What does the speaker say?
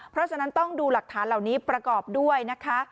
เพราะฉะนั้นต้องดูหลักฐานเหล่านี้ประกอบด้วยนะคะ